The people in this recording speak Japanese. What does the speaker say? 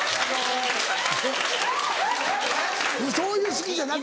そういう好きじゃなくて。